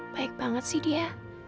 baik banget sih dia